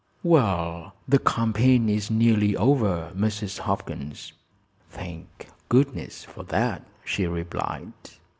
"Well, the campaign is nearly over, Mrs. Hopkins." "Thank goodness for that!" she replied.